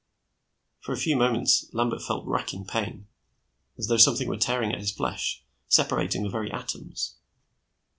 For a few moments, Lambert felt racking pain, as though something were tearing at his flesh, separating the very atoms.